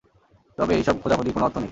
তবে এই সব খোঁজাখুঁজির কোনো অর্থ নেই।